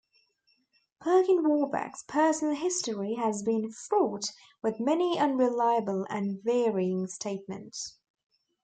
Perkin Warbeck's personal history has been fraught with many unreliable and varying statements.